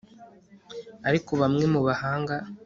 Ariko bamwe mu bahanga